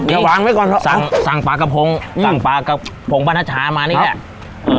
อย่าวางไว้ก่อนสั่งสั่งปลากระพงสั่งปลากระพงป้านัชชามานี่แหละ